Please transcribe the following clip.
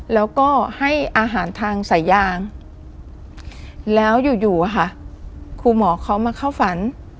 แล้วก็ให้อาหารทางสายยางแล้วอยู่อะค่ะครูหมอเขามาเข้าฝัน